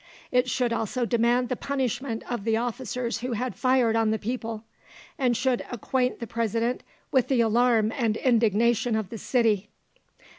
It should also demand the punishment of the officers who had fired on the people, and should acquaint the President with the alarm and indignation of the city.